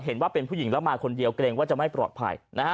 เห็นว่าเป็นผู้หญิงแล้วมาคนเดียวเกรงว่าจะไม่ปลอดภัยนะฮะ